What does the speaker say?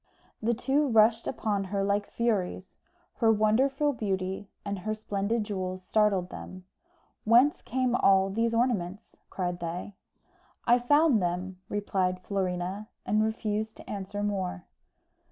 The two rushed upon her like furies. Her wonderful beauty and her splendid jewels startled them. "Whence came all these ornaments?" cried they. "I found them," replied Florina, and refused to answer more.